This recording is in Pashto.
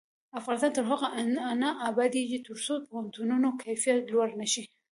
افغانستان تر هغو نه ابادیږي، ترڅو د پوهنتونونو کیفیت لوړ نشي.